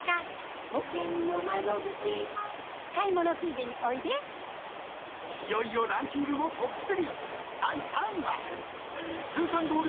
［いよいよランキングもトップ３］